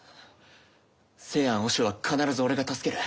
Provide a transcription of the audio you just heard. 清庵和尚は必ず俺が助ける。